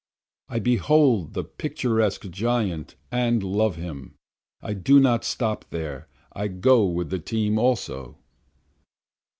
I behold the picturesque giant and love him, and I do not stop there, I go with the team also.